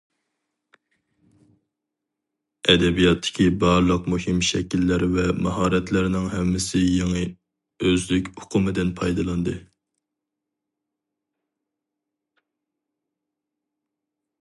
ئەدەبىياتتىكى بارلىق مۇھىم شەكىللەر ۋە ماھارەتلەرنىڭ ھەممىسى يېڭى ئۆزلۈك ئۇقۇمىدىن پايدىلاندى.